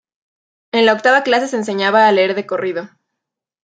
En la octava clase se enseñaba a leer de corrido.